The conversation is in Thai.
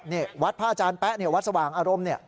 นี่วัดพระอาจารย์แป๊ะวัดสว่างอารมณ์เนี่ย